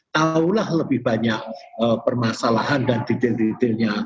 tahulah lebih banyak permasalahan dan detail detailnya